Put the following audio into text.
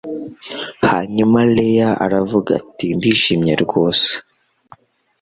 hanyuma leya aravuga ati ndishimye rwose